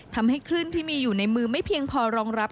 ทำให้คลื่นที่มีอยู่ในมือไม่เพียงพอรองรับ